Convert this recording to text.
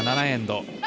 ７エンド。